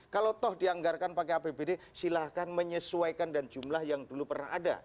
kalau toh dianggarkan pakai apbd silahkan menyesuaikan dan jumlah yang dulu pernah ada